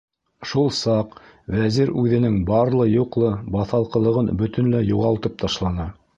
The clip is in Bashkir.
Шул саҡ Вәзир үҙенең барлы-юҡлы баҫалҡылығын бөтөнләй юғалтып ташланы.